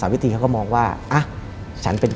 และไม่เคยเข้าไปในห้องมิชชาเลยแม้แต่ครั้งเดียว